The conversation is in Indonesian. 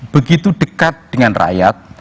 begitu dekat dengan rakyat